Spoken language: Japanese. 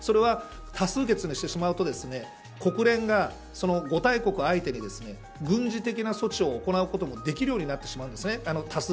それは多数決にしてしまうと国連が５大国相手に軍事的な措置を行うこともできるようになってしまうんです。